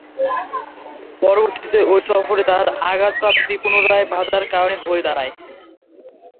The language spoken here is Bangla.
পরবর্তীতে ঐ সফরে তার আঘাতপ্রাপ্তি পুনরায় বাঁধার কারণ হয়ে দাঁড়ায়।